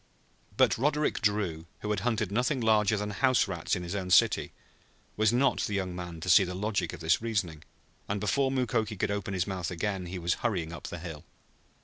But Roderick Drew, who had hunted nothing larger than house rats in his own city, was not the young man to see the logic of this reasoning, and before Mukoki could open his mouth again he was hurrying up the hill.